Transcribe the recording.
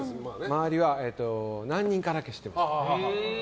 周りは何人かだけ知ってました。